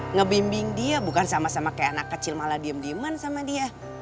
ngebimbing dia bukan sama sama kayak anak kecil malah diem dieman sama dia